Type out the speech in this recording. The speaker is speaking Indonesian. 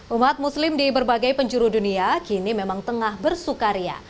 umat muslim di berbagai penjuru dunia kini memang tengah bersukaria